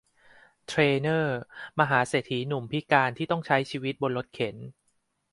เทรย์เนอร์ มหาเศรษฐีหนุ่มพิการที่ต้องใช้ชีวิตบนรถเข็น